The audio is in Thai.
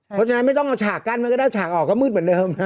เพราะฉะนั้นไม่ต้องเอาฉากกั้นมันก็ได้ฉากออกก็มืดเหมือนเดิม